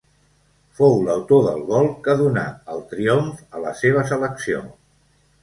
Fou l'autor del gol que donà el triomf a la seva selecció.